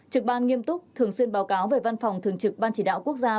trực ban nghiêm túc thường xuyên báo cáo về văn phòng thường trực ban chỉ đạo quốc gia